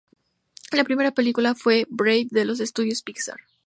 La primera película fue Brave de los estudios Pixar.